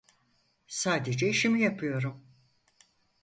Sadece işimi yapıyorum.